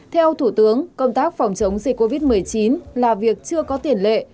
theo thủ tướng công tác phòng chống dịch covid một mươi chín là việc chưa có tiền lệ